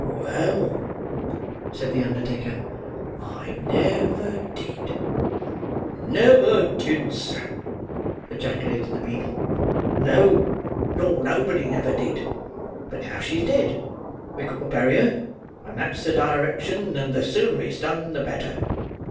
"Well," said the undertaker, "I ne—ver—did—" "Never did, sir!" ejaculated the beadle. "No, nor nobody never did; but now she's dead, we've got to bury her; and that's the direction; and the sooner it's done, the better."